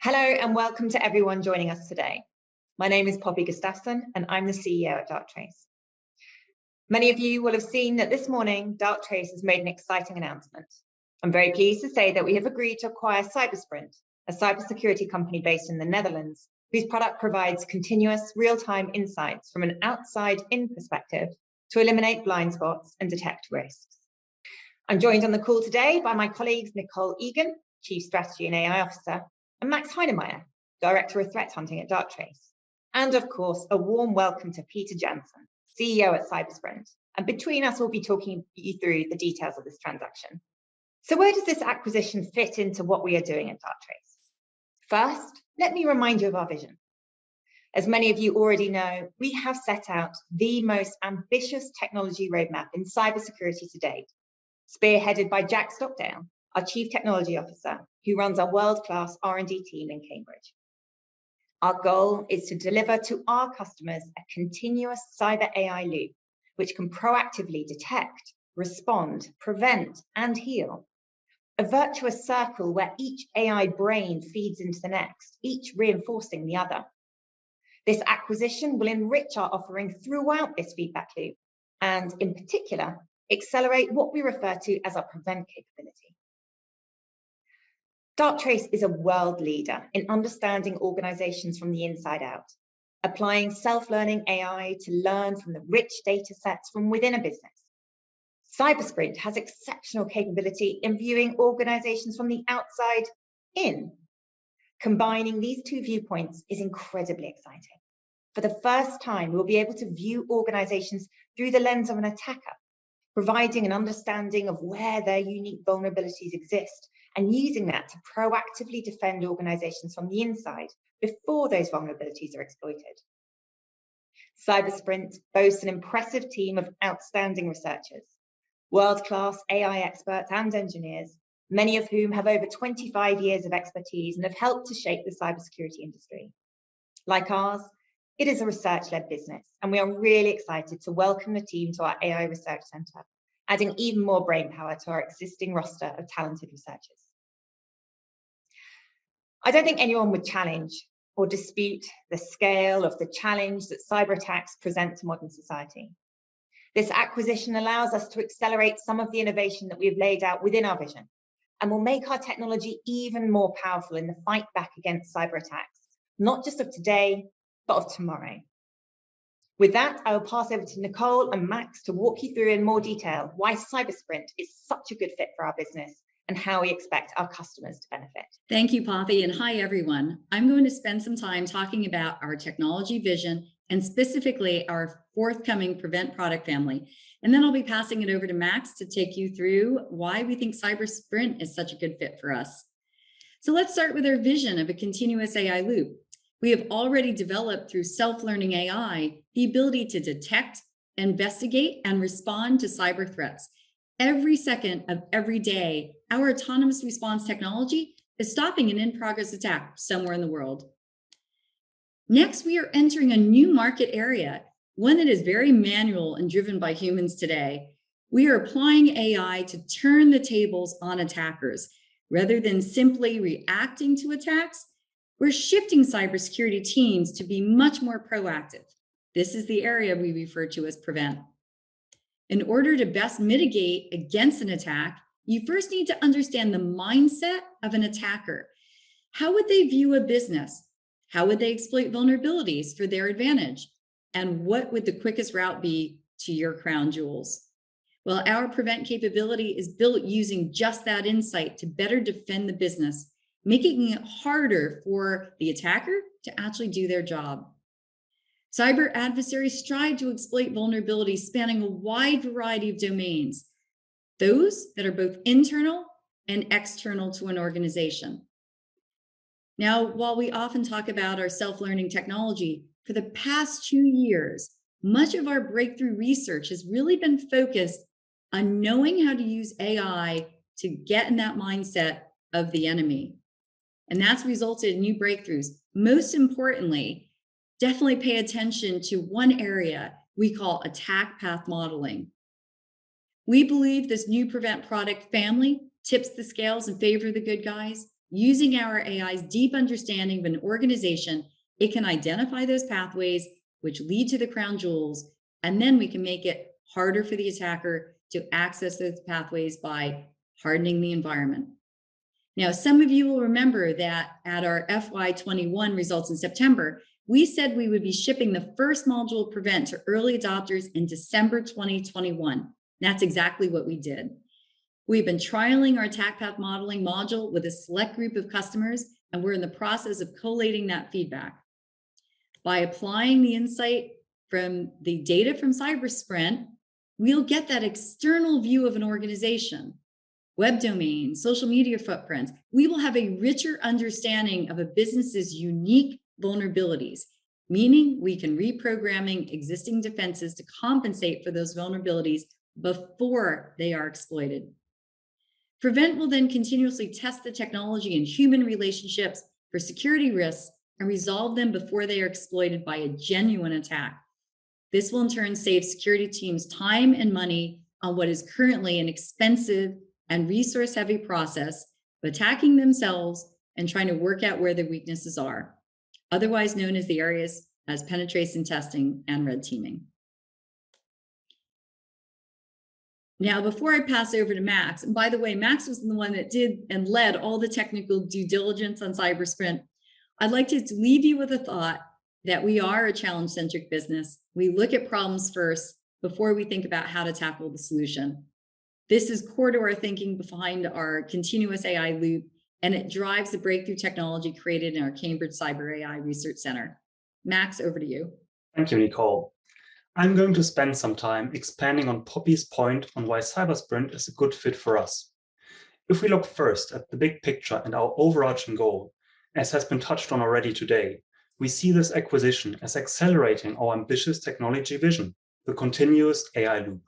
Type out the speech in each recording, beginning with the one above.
Hello, and welcome to everyone joining us today. My name is Poppy Gustafsson, and I'm the CEO at Darktrace. Many of you will have seen that this morning Darktrace has made an exciting announcement. I'm very pleased to say that we have agreed to acquire Cybersprint, a cybersecurity company based in the Netherlands, whose product provides continuous real-time insights from an outside-in perspective to eliminate blind spots and detect risks. I'm joined on the call today by my colleagues Nicole Eagan, Chief Strategy and AI Officer, and Max Heinemeyer, Director of Threat Hunting at Darktrace, and of course, a warm welcome to Pieter Jansen, CEO at Cybersprint. Between us, we'll be talking you through the details of this transaction. Where does this acquisition fit into what we are doing at Darktrace? First, let me remind you of our vision. As many of you already know, we have set out the most ambitious technology roadmap in cybersecurity to date, spearheaded by Jack Stockdale, our Chief Technology Officer, who runs our world-class R&D team in Cambridge. Our goal is to deliver to our customers a continuous Cyber AI Loop which can proactively detect, respond, prevent, and heal, a virtuous circle where each AI brain feeds into the next, each reinforcing the other. This acquisition will enrich our offering throughout this feedback loop and, in particular, accelerate what we refer to as our PREVENT capability. Darktrace is a world leader in understanding organizations from the inside out, applying Self-Learning AI to learn from the rich data sets from within a business. Cybersprint has exceptional capability in viewing organizations from the outside in. Combining these two viewpoints is incredibly exciting. For the first time, we'll be able to view organizations through the lens of an attacker, providing an understanding of where their unique vulnerabilities exist and using that to proactively defend organizations from the inside before those vulnerabilities are exploited. Cybersprint boasts an impressive team of outstanding researchers, world-class AI experts, and engineers, many of whom have over 25 years of expertise and have helped to shape the cybersecurity industry. Like ours, it is a research-led business, and we are really excited to welcome the team to our AI research center, adding even more brainpower to our existing roster of talented researchers. I don't think anyone would challenge or dispute the scale of the challenge that cyber attacks present to modern society. This acquisition allows us to accelerate some of the innovation that we've laid out within our vision and will make our technology even more powerful in the fight back against cyber attacks, not just of today, but of tomorrow. With that, I will pass over to Nicole and Max to walk you through in more detail why Cybersprint is such a good fit for our business and how we expect our customers to benefit. Thank you, Poppy, and hi, everyone. I'm going to spend some time talking about our technology vision, and specifically our forthcoming PREVENT product family, and then I'll be passing it over to Max to take you through why we think Cybersprint is such a good fit for us. Let's start with our vision of a continuous AI loop. We have already developed through Self-Learning AI the ability to detect, investigate, and respond to cyber threats. Every second of every day, our Autonomous Response technology is stopping an in-progress attack somewhere in the world. Next, we are entering a new market area, one that is very manual and driven by humans today. We are applying AI to turn the tables on attackers. Rather than simply reacting to attacks, we're shifting cybersecurity teams to be much more proactive. This is the area we refer to as PREVENT. In order to best mitigate against an attack, you first need to understand the mindset of an attacker. How would they view a business? How would they exploit vulnerabilities for their advantage? And what would the quickest route be to your crown jewels? Well, our PREVENT capability is built using just that insight to better defend the business, making it harder for the attacker to actually do their job. Cyber adversaries strive to exploit vulnerabilities spanning a wide variety of domains, those that are both internal and external to an organization. Now, while we often talk about our self-learning technology, for the past two years, much of our breakthrough research has really been focused on knowing how to use AI to get in that mindset of the enemy, and that's resulted in new breakthroughs. Most importantly, definitely pay attention to one area we call Attack Path Modeling. We believe this new PREVENT product family tips the scales in favor of the good guys. Using our AI's deep understanding of an organization, it can identify those pathways which lead to the crown jewels, and then we can make it harder for the attacker to access those pathways by hardening the environment. Now, some of you will remember that at our FY 2021 results in September, we said we would be shipping the first module of PREVENT to early adopters in December 2021. That's exactly what we did. We've been trialing our Attack Path Modeling module with a select group of customers, and we're in the process of collating that feedback. By applying the insight from the data from Cybersprint, we'll get that external view of an organization, web domain, social media footprints. We will have a richer understanding of a business's unique vulnerabilities, meaning we can reprogram existing defenses to compensate for those vulnerabilities before they are exploited. PREVENT will then continuously test the technology and human relationships for security risks and resolve them before they are exploited by a genuine attack. This will in turn save security teams time and money on what is currently an expensive and resource-heavy process of attacking themselves and trying to work out where the weaknesses are, otherwise known as penetration testing and red teaming. Now, before I pass over to Max, and by the way, Max was the one that did and led all the technical due diligence on Cybersprint, I'd like to leave you with a thought that we are a challenge-centric business. We look at problems first before we think about how to tackle the solution. This is core to our thinking behind our continuous AI loop, and it drives the breakthrough technology created in our Cambridge Cyber AI Research Center. Max, over to you. Thank you, Nicole. I'm going to spend some time expanding on Poppy's point on why Cybersprint is a good fit for us. If we look first at the big picture and our overarching goal, as has been touched on already today, we see this acquisition as accelerating our ambitious technology vision, the Cyber AI Loop.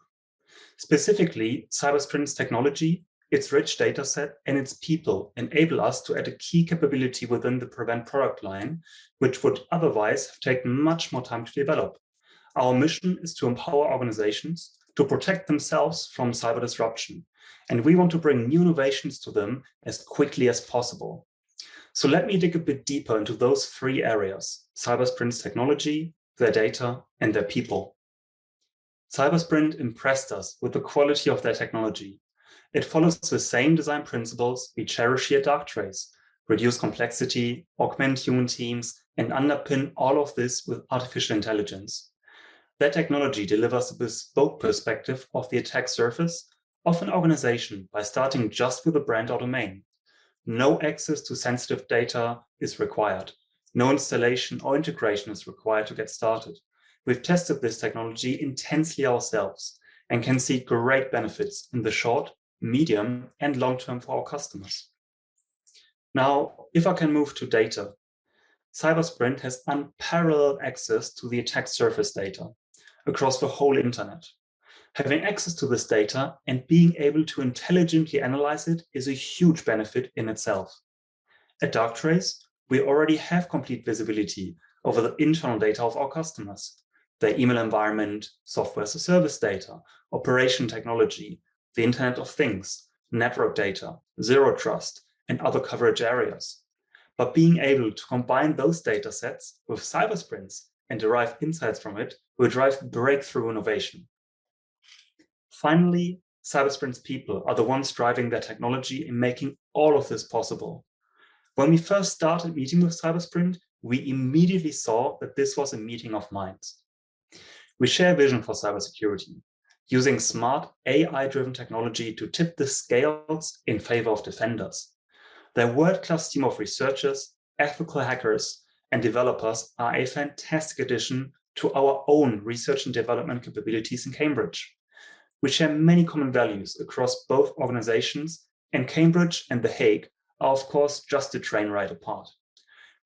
Specifically, Cybersprint's technology, its rich data set, and its people enable us to add a key capability within the PREVENT product line, which would otherwise have taken much more time to develop. Our mission is to empower organizations to protect themselves from cyber disruption, and we want to bring new innovations to them as quickly as possible. Let me dig a bit deeper into those three areas, Cybersprint's technology, their data, and their people. Cybersprint impressed us with the quality of their technology. It follows the same design principles we cherish here at Darktrace, reduce complexity, augment human teams, and underpin all of this with artificial intelligence. Their technology delivers a bespoke perspective of the attack surface of an organization by starting just with a brand or domain. No access to sensitive data is required. No installation or integration is required to get started. We've tested this technology intensely ourselves and can see great benefits in the short, medium, and long term for our customers. Now, if I can move to data, Cybersprint has unparalleled access to the attack surface data across the whole internet. Having access to this data and being able to intelligently analyze it is a huge benefit in itself. At Darktrace, we already have complete visibility over the internal data of our customers, their email environment, software as a service data, operational technology, the Internet of Things, network data, zero trust, and other coverage areas. Being able to combine those data sets with Cybersprint's and derive insights from it will drive breakthrough innovation. Finally, Cybersprint's people are the ones driving their technology and making all of this possible. When we first started meeting with Cybersprint, we immediately saw that this was a meeting of minds. We share a vision for cybersecurity, using smart AI-driven technology to tip the scales in favor of defenders. Their world-class team of researchers, ethical hackers, and developers are a fantastic addition to our own research and development capabilities in Cambridge. We share many common values across both organizations, and Cambridge and The Hague are, of course, just a train ride apart.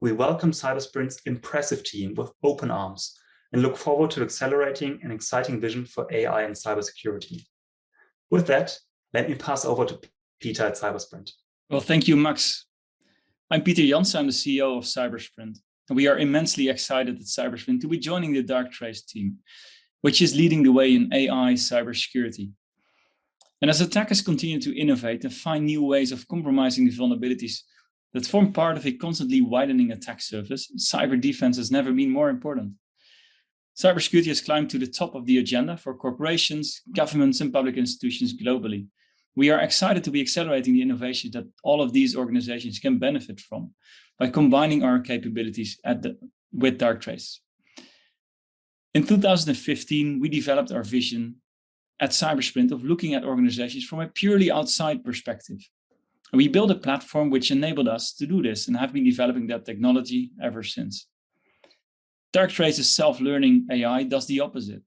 We welcome Cybersprint's impressive team with open arms and look forward to accelerating an exciting vision for AI and cybersecurity. With that, let me pass over to Pieter at Cybersprint. Well, thank you, Max. I'm Pieter Jansen. I'm the CEO of Cybersprint, and we are immensely excited at Cybersprint to be joining the Darktrace team, which is leading the way in AI cybersecurity. As attackers continue to innovate and find new ways of compromising the vulnerabilities that form part of a constantly widening attack surface, cyber defense has never been more important. Cybersecurity has climbed to the top of the agenda for corporations, governments, and public institutions globally. We are excited to be accelerating the innovation that all of these organizations can benefit from by combining our capabilities with Darktrace. In 2015, we developed our vision at Cybersprint of looking at organizations from a purely outside perspective. We built a platform which enabled us to do this and have been developing that technology ever since. Darktrace's Self-Learning AI does the opposite,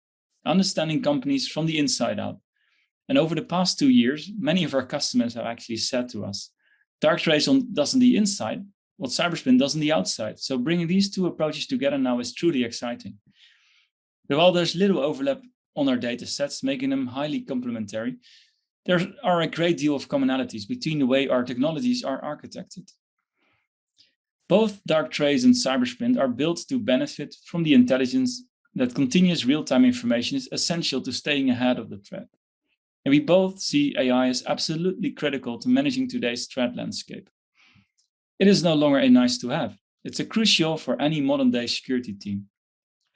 understanding companies from the inside out. Over the past two years, many of our customers have actually said to us, "Darktrace does the inside what Cybersprint does on the outside." Bringing these two approaches together now is truly exciting. While there's little overlap on our data sets, making them highly complementary, there are a great deal of commonalities between the way our technologies are architected. Both Darktrace and Cybersprint are built to benefit from the intelligence that continuous real-time information is essential to staying ahead of the threat. We both see AI as absolutely critical to managing today's threat landscape. It is no longer a nice-to-have. It's crucial for any modern-day security team.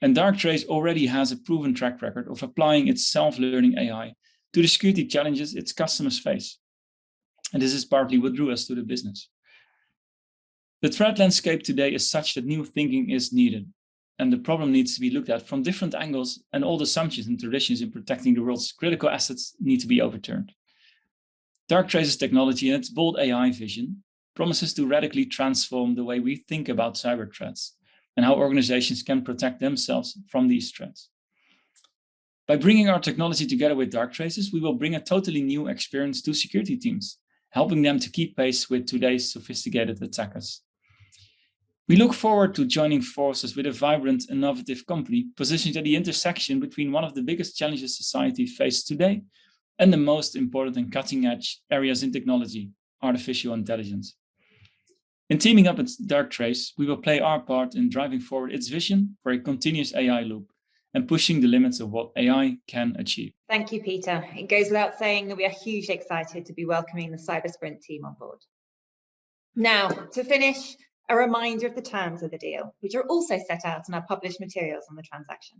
Darktrace already has a proven track record of applying its Self-Learning AI to the security challenges its customers face. This is partly what drew us to the business. The threat landscape today is such that new thinking is needed, and the problem needs to be looked at from different angles, and all the assumptions and traditions in protecting the world's critical assets need to be overturned. Darktrace's technology and its bold AI vision promises to radically transform the way we think about cyber threats and how organizations can protect themselves from these threats. By bringing our technology together with Darktrace's, we will bring a totally new experience to security teams, helping them to keep pace with today's sophisticated attackers. We look forward to joining forces with a vibrant, innovative company positioned at the intersection between one of the biggest challenges society faces today and the most important and cutting-edge areas in technology, artificial intelligence. In teaming up with Darktrace, we will play our part in driving forward its vision for a continuous AI loop, and pushing the limits of what AI can achieve. Thank you, Pieter. It goes without saying that we are hugely excited to be welcoming the Cybersprint team on board. Now, to finish, a reminder of the terms of the deal, which are also set out in our published materials on the transaction.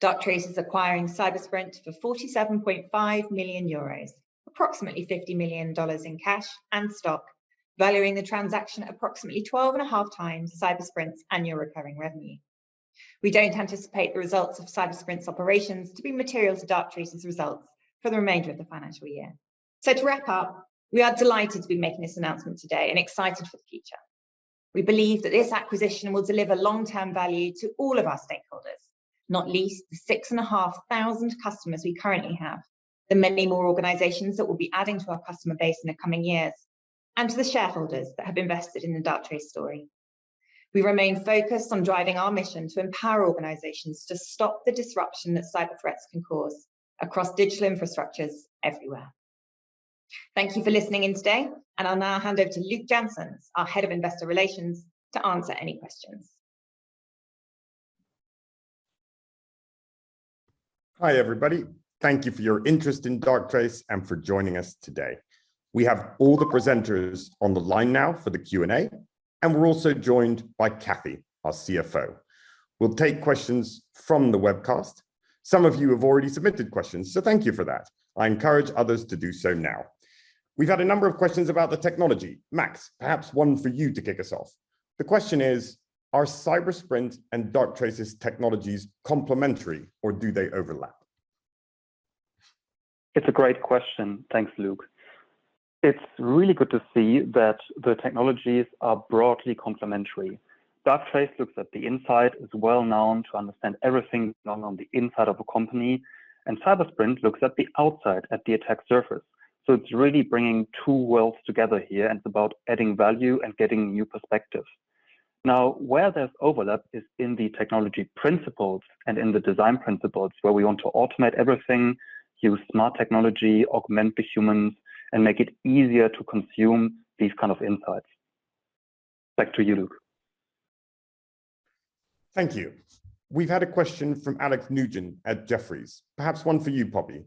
Darktrace is acquiring Cybersprint for 47.5 million euros, approximately $50 million in cash and stock, valuing the transaction at approximately 12.5x Cybersprint's annual recurring revenue. We don't anticipate the results of Cybersprint's operations to be material to Darktrace's results for the remainder of the financial year. To wrap up, we are delighted to be making this announcement today, and excited for the future. We believe that this acquisition will deliver long-term value to all of our stakeholders, not least the 6,500 customers we currently have, the many more organizations that we'll be adding to our customer base in the coming years, and to the shareholders that have invested in the Darktrace story. We remain focused on driving our mission to empower organizations to stop the disruption that cyber threats can cause across digital infrastructures everywhere. Thank you for listening in today, and I'll now hand over to Luk Janssens, our Head of Investor Relations, to answer any questions. Hi, everybody. Thank you for your interest in Darktrace, and for joining us today. We have all the presenters on the line now for the Q&A, and we're also joined by Cathy, our CFO. We'll take questions from the webcast. Some of you have already submitted questions, so thank you for that. I encourage others to do so now. We've had a number of questions about the technology. Max, perhaps one for you to kick us off. The question is, "Are Cybersprint and Darktrace's technologies complementary, or do they overlap? It's a great question. Thanks, Luk. It's really good to see that the technologies are broadly complementary. Darktrace looks at the inside, is well-known to understand everything going on the inside of a company, and Cybersprint looks at the outside, at the attack surface. It's really bringing two worlds together here, and it's about adding value and getting new perspective. Now, where there's overlap is in the technology principles and in the design principles, where we want to automate everything, use smart technology, augment the humans, and make it easier to consume these kind of insights. Back to you, Luk. Thank you. We've had a question from Alex Nguyen at Jefferies. Perhaps one for you, Poppy.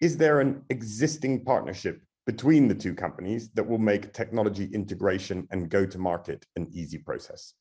"Is there an existing partnership between the two companies that will make technology integration and go-to-market an easy process?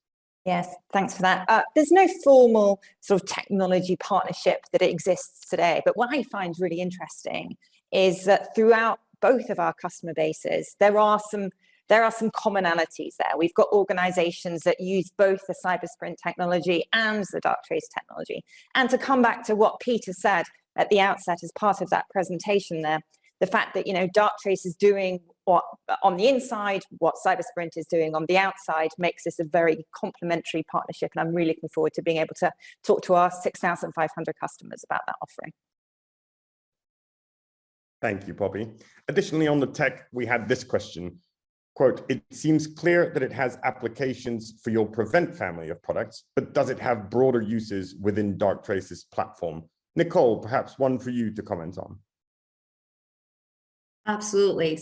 Yes, thanks for that. There's no formal sort of technology partnership that exists today, but what I find really interesting is that throughout both of our customer bases, there are some commonalities there. We've got organizations that use both the Cybersprint technology and the Darktrace technology. To come back to what Pieter said at the outset as part of that presentation there, the fact that, you know, Darktrace is doing what, on the inside, what Cybersprint is doing on the outside makes this a very complementary partnership, and I'm really looking forward to being able to talk to our 6,500 customers about that offering. Thank you, Poppy. Additionally on the tech, we had this question, quote, "It seems clear that it has applications for your PREVENT family of products. But does it have broader uses within Darktrace's platform?" Nicole, perhaps one for you to comment on. Absolutely.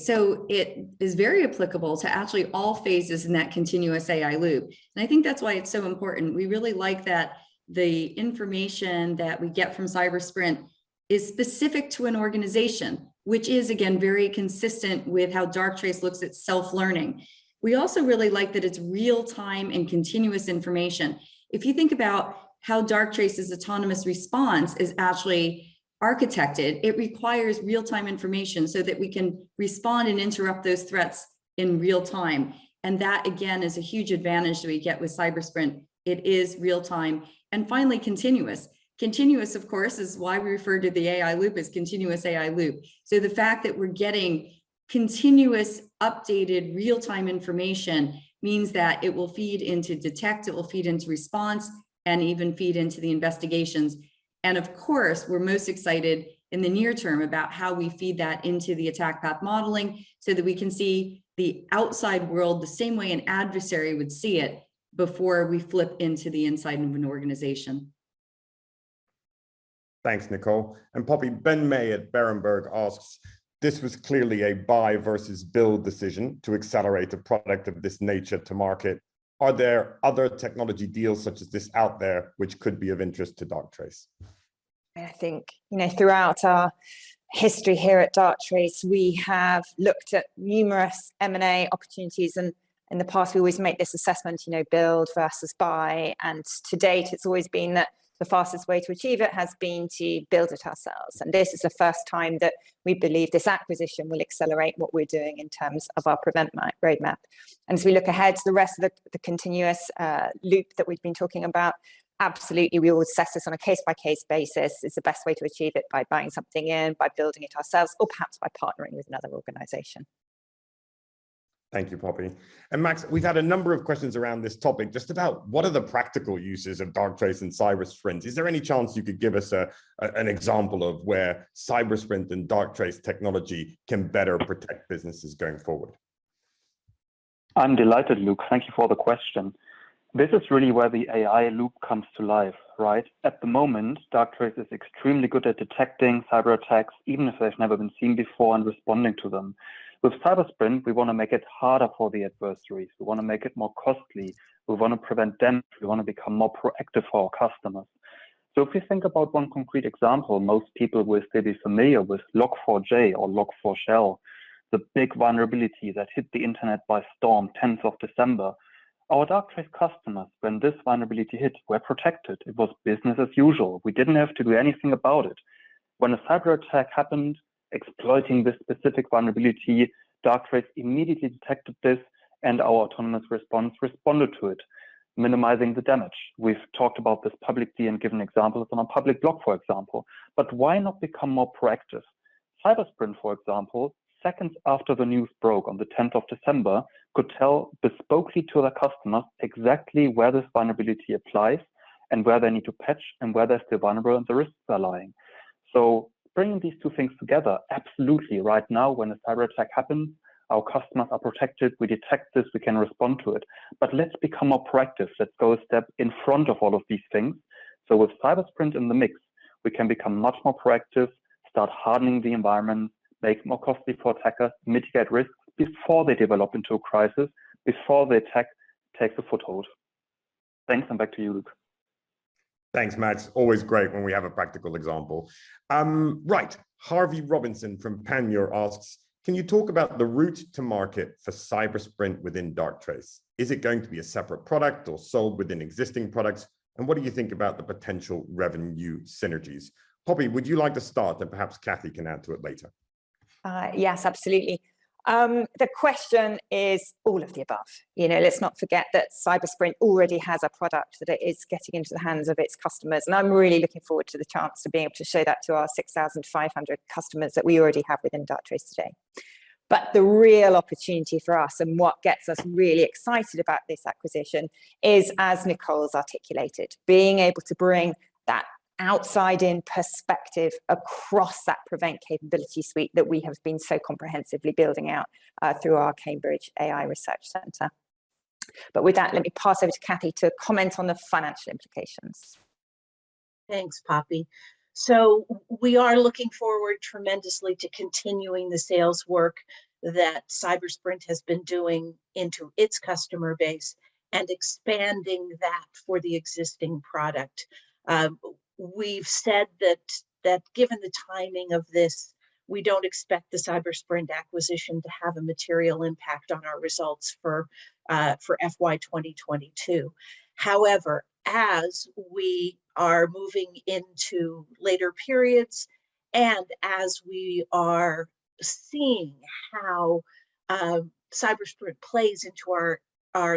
It is very applicable to actually all phases in that continuous AI loop, and I think that's why it's so important. We really like that the information that we get from Cybersprint is specific to an organization, which is, again, very consistent with how Darktrace looks at self-learning. We also really like that it's real-time and continuous information. If you think about how Darktrace's Autonomous Response is actually architected, it requires real-time information so that we can respond and interrupt those threats in real time, and that, again, is a huge advantage that we get with Cybersprint. It is real time. Finally, continuous. Continuous, of course, is why we refer to the AI loop as continuous AI loop. The fact that we're getting continuous updated real-time information means that it will feed into detect, it will feed into response, and even feed into the investigations. Of course, we're most excited in the near term about how we feed that into the Attack Path Modeling so that we can see the outside world the same way an adversary would see it before we flip into the inside of an organization. Thanks, Nicole. Poppy, Benjamin May at Berenberg asks, "This was clearly a buy versus build decision to accelerate a product of this nature to market. Are there other technology deals such as this out there which could be of interest to Darktrace? I think, you know, throughout our history here at Darktrace, we have looked at numerous M&A opportunities, and in the past we always make this assessment, you know, build versus buy, and to date it's always been that the fastest way to achieve it has been to build it ourselves, and this is the first time that we believe this acquisition will accelerate what we're doing in terms of our PREVENT roadmap. As we look ahead to the rest of the continuous loop that we've been talking about, absolutely we will assess this on a case-by-case basis. Is the best way to achieve it by buying something in, by building it ourselves, or perhaps by partnering with another organization? Thank you, Poppy. Max, we've had a number of questions around this topic, just about what are the practical uses of Darktrace and Cybersprint? Is there any chance you could give us an example of where Cybersprint and Darktrace technology can better protect businesses going forward? I'm delighted, Luk. Thank you for the question. This is really where the AI loop comes to life, right? At the moment, Darktrace is extremely good at detecting cyber attacks, even if they've never been seen before, and responding to them. With Cybersprint, we wanna make it harder for the adversaries. We wanna make it more costly. We wanna prevent them. We wanna become more proactive for our customers. If you think about one concrete example, most people will be familiar with Log4j or Log4Shell, the big vulnerability that hit the internet by storm 10th of December. Our Darktrace customers, when this vulnerability hit, were protected. It was business as usual. We didn't have to do anything about it. When a cyber attack happened exploiting this specific vulnerability, Darktrace immediately detected this, and our Autonomous Response responded to it, minimizing the damage. We've talked about this publicly and given examples on our public blog, for example. Why not become more proactive? Cybersprint, for example, seconds after the news broke on the 10th of December, could tell bespokely to their customers exactly where this vulnerability applies and where they need to patch and where they're still vulnerable and the risks are lying. Bringing these two things together, absolutely right now, when a cyber attack happens, our customers are protected. We detect this. We can respond to it. Let's become more proactive. Let's go a step in front of all of these things, so with Cybersprint in the mix, we can become much more proactive, start hardening the environment, make more costly for attacker, mitigate risk before they develop into a crisis, before the attack takes a foothold. Thanks, and back to you, Luk. Thanks, Max. Always great when we have a practical example. Right. Harvey Robinson from Panmure asks, "Can you talk about the route to market for Cybersprint within Darktrace? Is it going to be a separate product or sold within existing products, and what do you think about the potential revenue synergies?" Poppy, would you like to start, and perhaps Cathy can add to it later? Yes, absolutely. The question is all of the above. You know, let's not forget that Cybersprint already has a product that it is getting into the hands of its customers, and I'm really looking forward to the chance to be able to show that to our 6,500 customers that we already have within Darktrace today. The real opportunity for us and what gets us really excited about this acquisition is, as Nicole's articulated, being able to bring that outside-in perspective across that PREVENT capability suite that we have been so comprehensively building out through our Cambridge AI Research Center. With that, let me pass over to Cathy to comment on the financial implications. Thanks, Poppy. We are looking forward tremendously to continuing the sales work that Cybersprint has been doing into its customer base and expanding that for the existing product. We've said that given the timing of this, we don't expect the Cybersprint acquisition to have a material impact on our results for FY 2022. However, as we are moving into later periods and as we are seeing how Cybersprint plays into our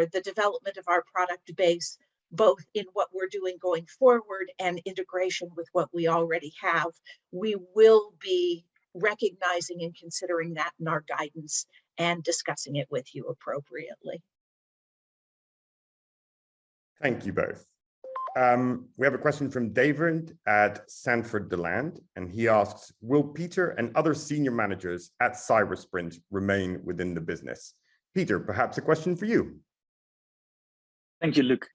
the development of our product base, both in what we're doing going forward and integration with what we already have, we will be recognizing and considering that in our guidance and discussing it with you appropriately. Thank you both. We have a question from David Beggs at Sanford DeLand, and he asks, "Will Pieter and other senior managers at Cybersprint remain within the business?" Pieter, perhaps a question for you. Thank you, Luk.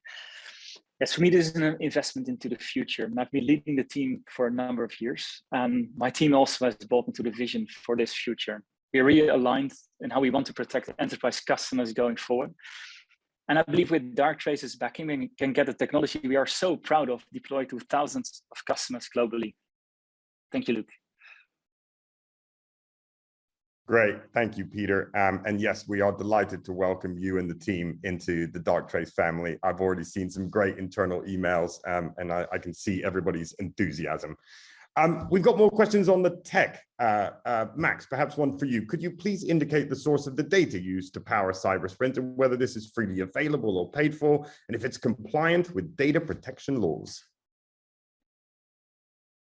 Yes, for me, this is an investment into the future, and I've been leading the team for a number of years, and my team also has bought into the vision for this future. We're realigned in how we want to protect enterprise customers going forward, and I believe with Darktrace's backing, we can get the technology we are so proud of deployed to thousands of customers globally. Thank you, Luk. Great. Thank you, Pieter. Yes, we are delighted to welcome you and the team into the Darktrace family. I've already seen some great internal emails, and I can see everybody's enthusiasm. We've got more questions on the tech. Max, perhaps one for you. Could you please indicate the source of the data used to power Cybersprint, and whether this is freely available or paid for, and if it's compliant with data protection laws?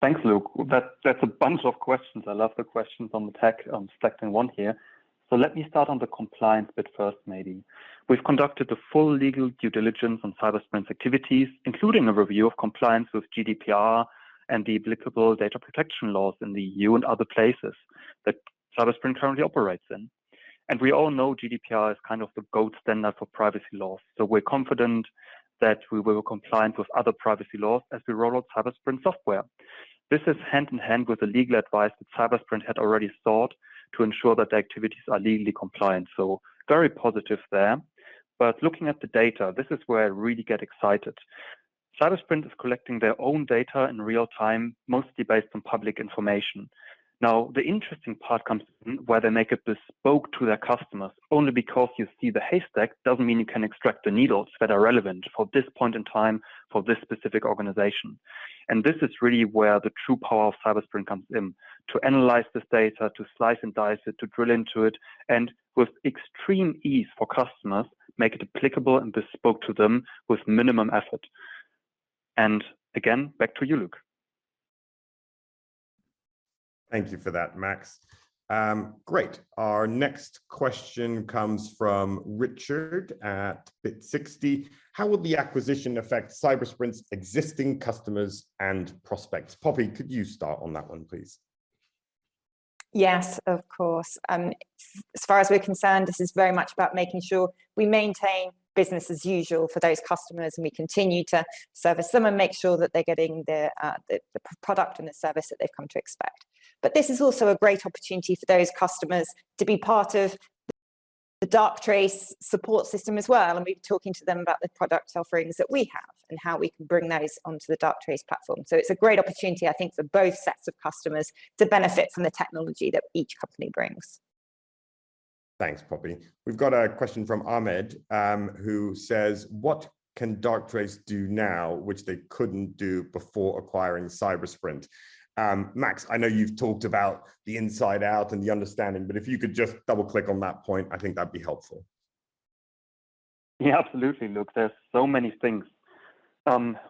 Thanks, Luk. That's a bunch of questions. I love the questions on the tech. I'm selecting one here. Let me start on the compliance bit first maybe. We've conducted a full legal due diligence on Cybersprint's activities, including a review of compliance with GDPR and the applicable data protection laws in the E.U. and other places that Cybersprint currently operates in. We all know GDPR is kind of the gold standard for privacy laws, so we're confident that we will be compliant with other privacy laws as we roll out Cybersprint software. This is hand-in-hand with the legal advice that Cybersprint had already sought to ensure that their activities are legally compliant, so very positive there. Looking at the data, this is where I really get excited. Cybersprint is collecting their own data in real time, mostly based on public information. Now, the interesting part comes in where they make it bespoke to their customers. Only because you see the haystack doesn't mean you can extract the needles that are relevant for this point in time for this specific organization, and this is really where the true power of Cybersprint comes in, to analyze this data, to slice and dice it, to drill into it. With extreme ease for customers, make it applicable and bespoke to them with minimum effort. Again, back to you, Luk. Thank you for that, Max. Great. Our next question comes from Richard at BIT Capital: "How will the acquisition affect Cybersprint's existing customers and prospects?" Poppy, could you start on that one, please? Yes, of course. As far as we're concerned, this is very much about making sure we maintain business as usual for those customers, and we continue to service them and make sure that they're getting the product and the service that they've come to expect. This is also a great opportunity for those customers to be part of the Darktrace support system as well, and we've been talking to them about the product offerings that we have and how we can bring those onto the Darktrace platform. It's a great opportunity, I think, for both sets of customers to benefit from the technology that each company brings. Thanks, Poppy. We've got a question from Ahmed, who says, "What can Darktrace do now which they couldn't do before acquiring Cybersprint?" Max, I know you've talked about the inside out and the understanding, but if you could just double-click on that point, I think that'd be helpful. Yeah, absolutely, Luke. There's so many things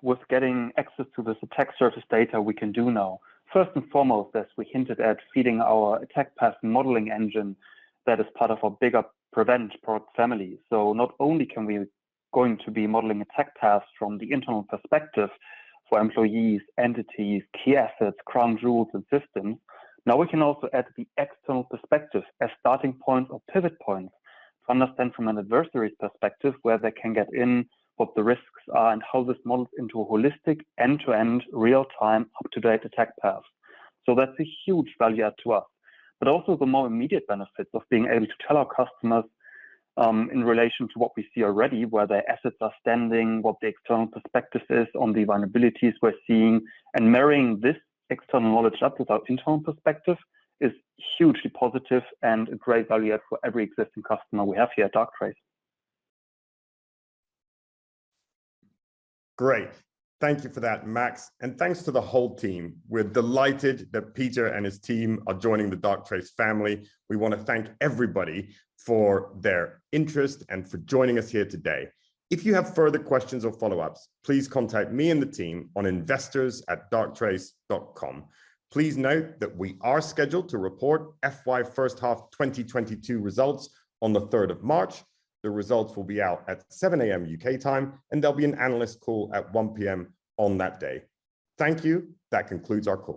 with getting access to this attack surface data we can do now. First and foremost, as we hinted at, feeding our Attack Path Modeling engine that is part of our bigger PREVENT product family. Not only can we going to be modeling attack paths from the internal perspective for employees, entities, key assets, crown jewels, and systems, now we can also add the external perspective as starting points or pivot points to understand from an adversary's perspective where they can get in, what the risks are, and how this models into a holistic end-to-end, real time, up-to-date attack path. That's a huge value add to us, but also the more immediate benefits of being able to tell our customers, in relation to what we see already, where their assets are standing, what the external perspective is on the vulnerabilities we're seeing, and marrying this external knowledge up with our internal perspective is hugely positive and a great value add for every existing customer we have here at Darktrace. Great. Thank you for that, Max, and thanks to the whole team. We're delighted that Pieter and his team are joining the Darktrace family. We wanna thank everybody for their interest and for joining us here today. If you have further questions or follow-ups, please contact me and the team on investors@darktrace.com. Please note that we are scheduled to report FY first half 2022 results on the 3rd of March. The results will be out at 7:00 A.M. U.K. time, and there'll be an analyst call at 1:00 P.M. on that day. Thank you. That concludes our call.